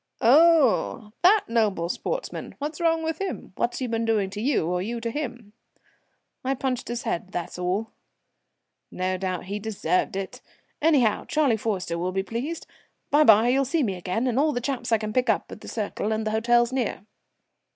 "Oh! that noble sportsman? What's wrong with him? What's he been doing to you or you to him?" "I punched his head, that's all." "No doubt he deserved it; anyhow, Charlie Forrester will be pleased. By by, you'll see me again, and all the chaps I can pick up at the Cercle and the hotels near."